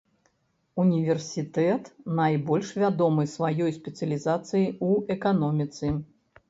Універсітэт найбольш вядомы сваёй спецыялізацыяй у эканоміцы.